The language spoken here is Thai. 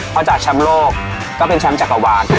พอจากแชมป์โลกก็เป็นแชมป์จักรวาล